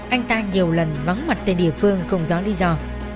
anh ta nhiều lần vắng mặt tại địa phương không rõ lý do